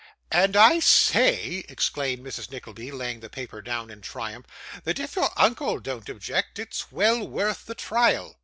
'And I say,' exclaimed Mrs. Nickleby, laying the paper down in triumph, 'that if your uncle don't object, it's well worth the trial.